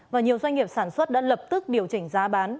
và nhiều doanh nghiệp sản xuất đã lập tức điều chỉnh giá bán